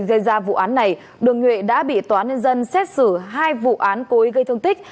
trước khi rời ra vụ án này đường nguyễn đã bị tòa án nhân dân xét xử hai vụ án cố ý gây thương tích